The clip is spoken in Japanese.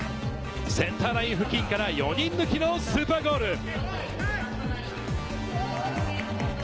センターライン付近から４人抜きのスーパーゴール。